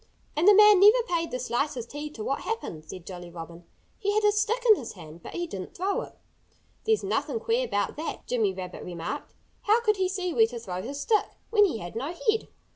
"And the man never paid the slightest heed to what happened," said Jolly Robin. "He had a stick in his hand; but he didn't throw it." "There's nothing queer about that," Jimmy Rabbit remarked. "How could he see where to throw his stick, when he had no head?"